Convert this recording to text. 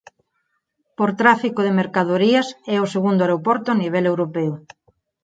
Por tráfico de mercadorías é o segundo aeroporto a nivel europeo.